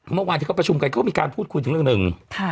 เมื่อวานที่เขาประชุมกันเขาก็มีการพูดคุยถึงเรื่องหนึ่ง